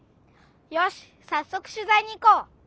よしさっそく取ざいに行こう！